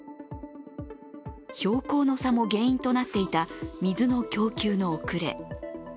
標高の差も原因となっていた、水の供給の遅れ。